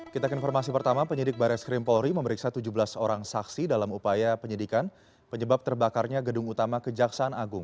kita ke informasi pertama penyidik baris krim polri memeriksa tujuh belas orang saksi dalam upaya penyidikan penyebab terbakarnya gedung utama kejaksaan agung